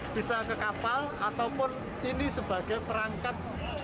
bisa ke kapal ataupun ini sebagai perangkat